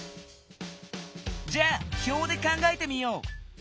じゃあ表で考えてみよう！